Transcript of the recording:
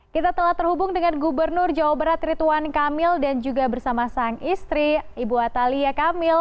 kita telah terhubung dengan gubernur jawa barat rituan kamil dan juga bersama sang istri ibu atalia kamil